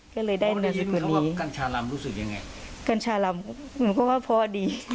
ก็เลยได้นามสกุลนี้